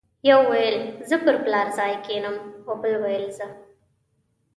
یو ویل زه پر پلار ځای کېنم او بل ویل زه.